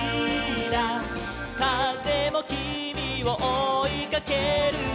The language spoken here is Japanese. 「かぜもきみをおいかけるよ」